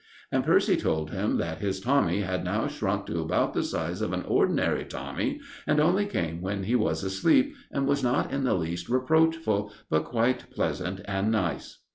And Percy told him that his Tommy had now shrunk to about the size of an ordinary Tommy, and only came when he was asleep, and was not in the least reproachful, but quite pleasant and nice.